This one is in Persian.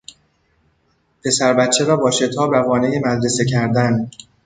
پسر بچه را با شتاب روانهی مدرسه کردن